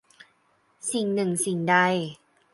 สิ่งหนึ่งสิ่งใด